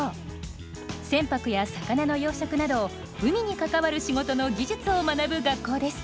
船舶や魚の養殖など海に関わる仕事の技術を学ぶ学校です。